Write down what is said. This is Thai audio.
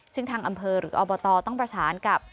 ซึ่งทางอำเภอหรืออบตต้องประสานกับ